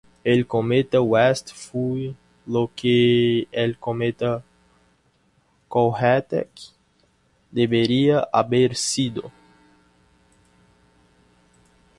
El cometa West fue lo que el cometa Kohoutek debería haber sido.